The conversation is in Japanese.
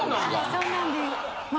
そうなんです。